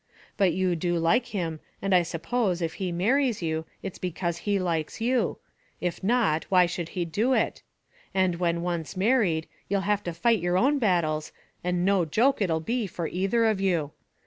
but you do like him, and I suppose, if he marries you, it's becase he likes you; if not, why should he do it? And when once married, you'll have to fight your own battles, and no joke it'll be for either of you.